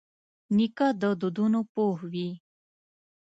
نیکه د دودونو پوه وي.